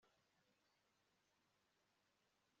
Kandi hafi ya Strand hejuru yumuhanda Mwamikazi Victoria